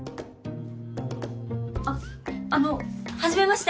あっあのう初めまして。